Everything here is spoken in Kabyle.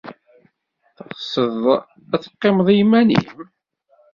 Teɣseḍ ad teqqimeḍ i yiman-nnem?